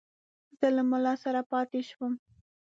زه له مُلا سره پاته شوم.